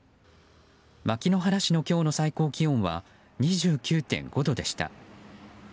牧之原市の今日の最高気温は２９．５度でした。